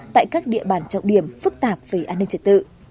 tại các địa bàn trọng điểm phức tạp về an ninh trật tự